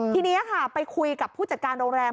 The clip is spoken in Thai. ทีนี้ค่ะไปคุยกับผู้จัดการโรงแรม